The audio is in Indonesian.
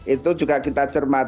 itu juga kita cermat